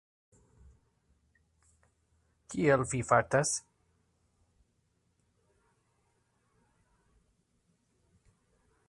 Li militservis en usona aerarmeo dum Korea milito.